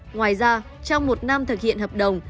ngoài ra trong một năm thực hiện hợp đồng